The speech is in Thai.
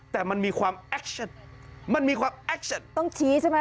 แต่มันมีความแอคชั่นมันมีความแอคชต้องชี้ใช่ไหม